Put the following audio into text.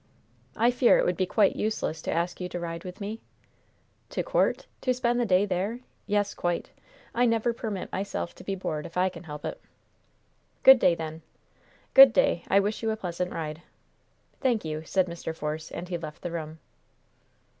"I fear it would be quite useless to ask you to ride with me?" "To court? To spend the day there? Yes, quite. I never permit myself to be bored if I can help it." "Good day, then." "Good day. I wish you a pleasant ride." "Thank you," said Mr. Force. And he left the room.